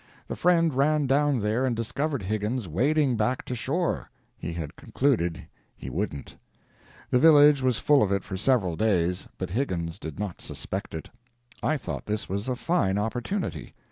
The friend ran down there and discovered Higgins wading back to shore! He had concluded he wouldn't. The village was full of it for several days, but Higgins did not suspect it. I thought this was a fine opportunity.